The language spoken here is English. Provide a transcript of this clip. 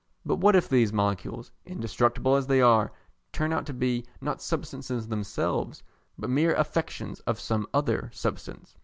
But what if these molecules, indestructible as they are, turn out to be not substances themselves, but mere affections of some other substance?